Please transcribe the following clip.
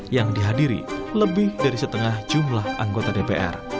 yang dihadiri lebih dari setengah jumlah anggota dpr